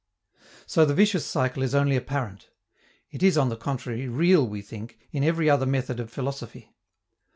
So the vicious circle is only apparent. It is, on the contrary, real, we think, in every other method of philosophy.